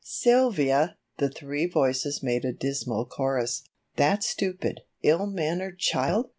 "Sylvia!" The three voices made a dismal chorus. "That stupid, ill mannered child!